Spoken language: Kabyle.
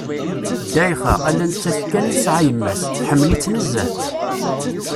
Ddayxa, ala nettat kan i tesɛa yemma-s, teḥmmel-itt nezzeh.